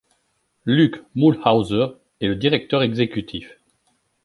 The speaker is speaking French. Luke Muehlhauser est le directeur exécutif.